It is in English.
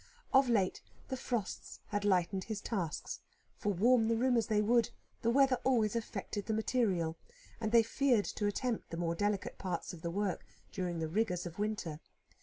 Of late the frosts had lightened his tasks; for warm the room as they would, the weather always affected the material; and they feared to attempt the more delicate parts of the work during the rigours of winter.